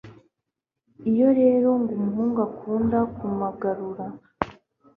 Iyo rero ngo umuhungu ukunda kumugarura